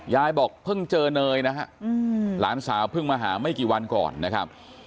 ยายบอกเพิ่งเจอเนยนะฮะหลานสาวเพิ่งมาหาไม่กี่วันก่อนนะครับ